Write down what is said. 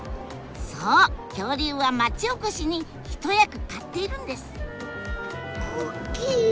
そう恐竜は町おこしに一役買っているんです！